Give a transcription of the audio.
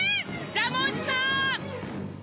ジャムおじさん！